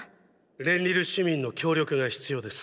レンリル市民の協力が必要です。